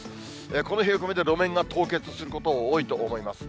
この冷え込みで、路面が凍結すること、多いと思います。